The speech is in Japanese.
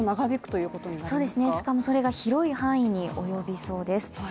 そうですね、それが広い範囲に及びそうです。